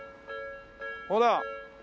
ほら。